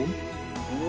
うわ。